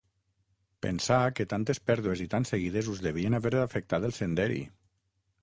Pensà que tantes pèrdues i tan seguides us devien haver afectat el senderi.